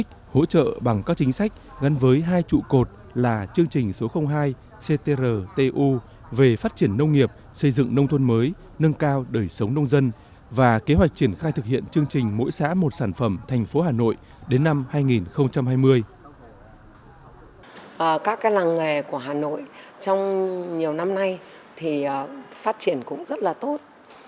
các làng nghề của hà nội trong nhiều năm nay thì phát triển cũng rất là tốt